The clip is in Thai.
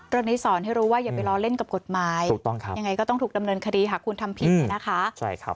นี้สอนให้รู้ว่าอย่าไปล้อเล่นกับกฎหมายยังไงก็ต้องถูกดำเนินคดีหากคุณทำผิดเนี่ยนะคะ